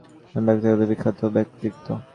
তিনি হয়ে ওঠেন একজন বিখ্যাত ব্যক্তিত্ব।